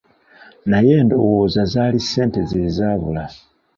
Naye ndowooza zaali ssente ze zaabula.